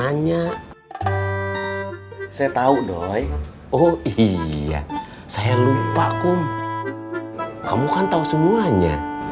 uwc tau doi oh iya saya lupa kumutation semua